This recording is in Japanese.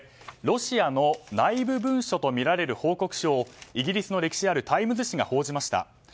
ロシアの内部文書とみられる報告書を、イギリスの歴史あるタイムズ紙が報じました。